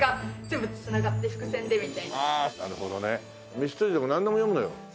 ミステリーでもなんでも読むのよ。